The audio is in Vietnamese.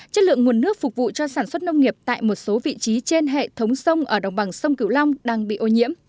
chất lượng nguồn nước phục vụ cho sản xuất nông nghiệp tại một số vị trí trên hệ thống sông ở đồng bằng sông cửu long đang bị ô nhiễm